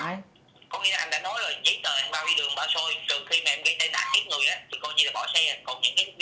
từ khi mà em gây tài nạn ít người thì coi như là bỏ xe